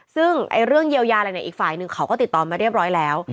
ซึ่งเรื่องเยียวยาอะไรในอีกไฟล์นึงเขาก็ติดตอบมาเรียบร้อยแล้ว